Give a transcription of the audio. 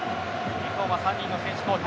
日本は３人の選手交代。